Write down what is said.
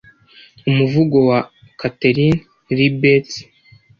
umuvugo wa katharine lee bates